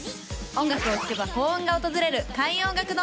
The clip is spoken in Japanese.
音楽を聴けば幸運が訪れる開運音楽堂